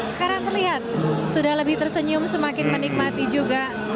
sekarang terlihat sudah lebih tersenyum semakin menikmati juga